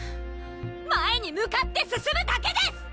前に向かって進むだけです！